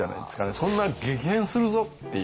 そんな激変するぞっていう。